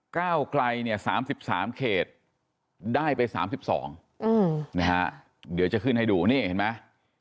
ก้าวไกลเนี่ย๓๓เขตได้ไป๓๒นะฮะเดี๋ยวจะขึ้นให้ดูนี่เห็นไหม